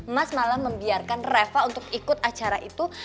mas malah membiarkan reva untuk ikut acara itu